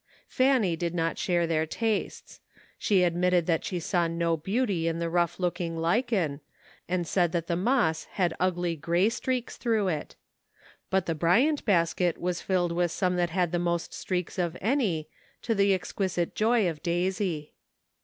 Fanny did not share their tastes. She ad mitted that she saw no beauty in the rough Jooking lichen, and said that tlie moss had ugly gray streaks through it. But the Bryant bas ket was filled with some that had the most streaks of any, to the exquisite joy of Daisy.